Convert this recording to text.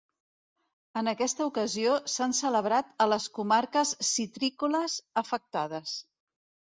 En aquesta ocasió s’han celebrat a les comarques citrícoles afectades.